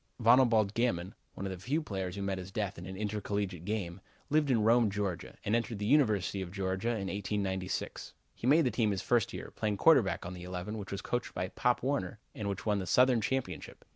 Vonalbalde Gammon, one of the few players who met his death in an intercollegiate game, lived at Rome, Georgia, and entered the University of Georgia in 1896. He made the team his first year, playing quarterback on the eleven which was coached by Pop Warner and which won the Southern championship.